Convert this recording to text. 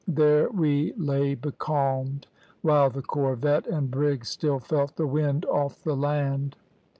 There we lay becalmed, while the corvette and brig still felt the wind off the land.